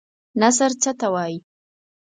نثر څه ته وايي؟